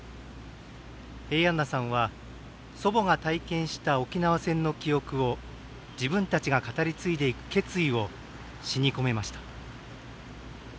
平安名さんは祖母が体験した沖縄戦の記憶を自分たちが語り継いでいく決意を詩に込めました。